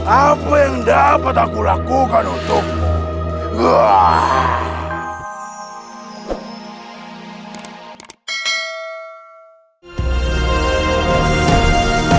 apa yang dapat aku lakukan untukmu